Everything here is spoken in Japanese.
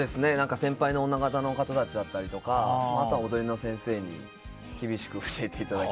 先輩の女形の方たちだったり踊りの先生に厳しく教えていただいて。